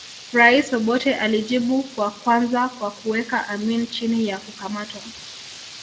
Rais Obote alijibu kwa kwanza kwa kuweka Amin chini ya kukamatwa